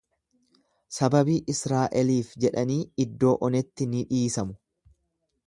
Sababii Israa'eliif jedhanii iddoo onetti ni dhiisamu.